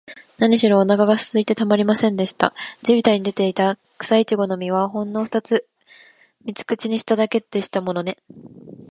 なにしろ、おなかがすいてたまりませんでした。地びたに出ていた、くさいちごの実を、ほんのふたつ三つ口にしただけでしたものね。